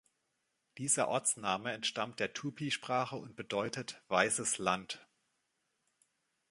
Dieser Ortsname entstammt der Tupi-Sprache und bedeutet "Weißes Land".